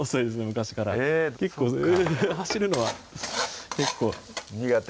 昔からへぇそっか走るのは結構苦手？